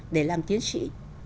để làm tiến sĩ